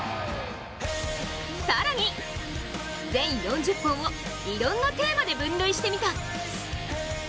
更に全４０本をいろんなテーマで分類してみた。